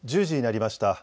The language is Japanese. １０時になりました。